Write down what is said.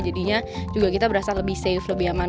jadinya juga kita berasa lebih safe lebih aman